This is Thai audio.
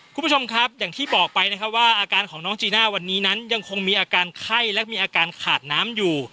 คุณผู้ชมครับอย่างที่บอกไปนะครับว่าอาการของน้องจีน่าวันนี้นั้นยังคงมีอาการไข้และมีอาการขาดน้ำอยู่